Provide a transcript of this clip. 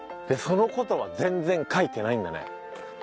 でその事は全然書いてないんだね。